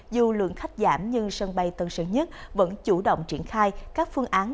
dù lượng khách giảm nhưng sân bay tân sơn nhất vẫn chủ động triển khai các phương án